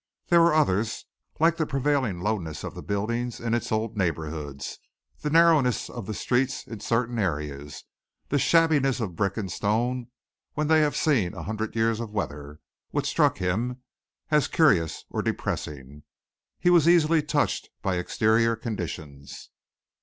There were others, like the prevailing lowness of the buildings in its old neighborhoods, the narrowness of the streets in certain areas, the shabbiness of brick and stone when they have seen an hundred years of weather, which struck him as curious or depressing. He was easily touched by exterior conditions.